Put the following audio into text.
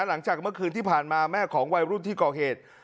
หลังจากเมื่อคืนที่ผ่านมาแม่ของวัยรุ่นที่ก่อเหตุ